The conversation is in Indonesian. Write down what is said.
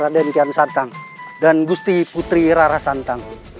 raden kian santang dan gusti putri rara santang